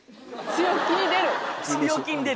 強気に出る！